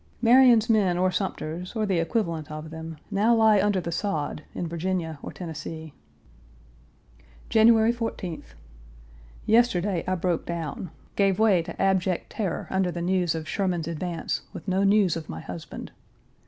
Marion's men or Sumter's, or the equivalent of them, now lie under the sod, in Virginia or Tennessee. January 14th. Yesterday I broke down gave way to abject terror under the news of Sherman's advance with no news of my husband.